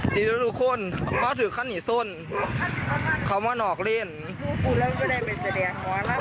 เดี๋ยวทุกคนเขาถือข้านี้ส้นเขามานอกเล่น